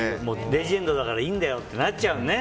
レジェンドだからいいんだよってなっちゃうよね。